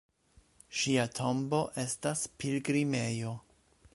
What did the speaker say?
Ŝia tombo estas pilgrimejo.